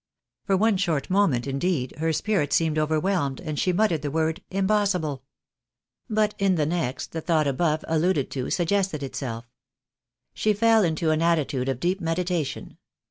For one short moment indeed her spirit seemed overwhelmed, and she muttered the word " impossible !" But in the next the thought above alluded to suggested itself. She fell into an attitude of deep medi tation.